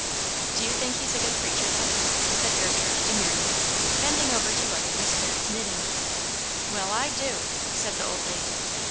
"Do you think he's a good preacher, then?" said Gertrude demurely, bending over to look at Miss Barry's knitting. "Well, I do!" said the old lady.